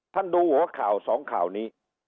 ดูหัวข่าวสองข่าวนี้